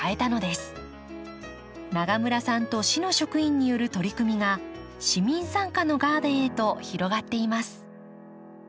永村さんと市の職員による取り組みが市民参加のガーデンへと広がっています。